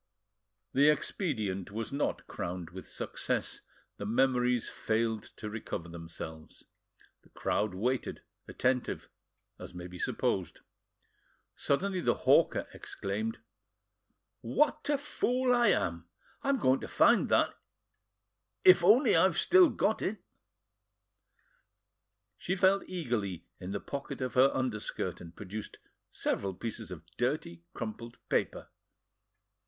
The expedient was not crowned with success, the memories failed to recover themselves. The crowd waited, attentive, as may be supposed. Suddenly the hawker exclaimed: "What a fool I am! I am going to find that, if only I have still got it." She felt eagerly in the pocket of her underskirt, and produced several pieces of dirty, crumpled paper.